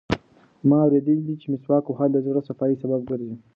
ما اورېدلي دي چې مسواک وهل د زړه د صفایي سبب ګرځي.